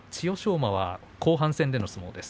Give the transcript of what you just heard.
馬は後半戦での相撲です。